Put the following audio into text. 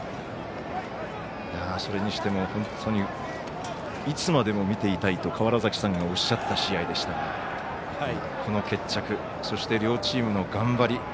それにしても、本当にいつまでも見ていたいと川原崎さんがおっしゃった試合でしたがこの決着そして両チームの頑張り。